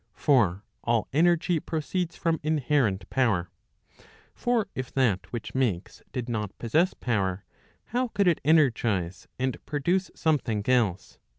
For all energy proceeds from inherent power. For if that which makes did not possess power, how could it energize, and produce some * i. e.